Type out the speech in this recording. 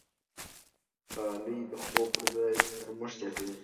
غالۍ د خوب پر ځای نرمښت زیاتوي.